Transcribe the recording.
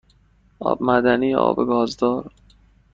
آب معمولی یا آب گازدار؟